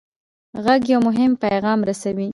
غږ یو مهم پیغام رسوي.